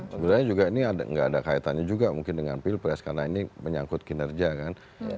sebenarnya juga ini nggak ada kaitannya juga mungkin dengan pilpres karena ini menyangkut kinerja kan